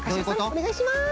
おねがいします！